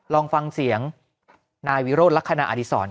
ลองฟังเสียงนายวิโรธลักษณะอดีศร